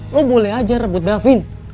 lo boleh aja rebut davin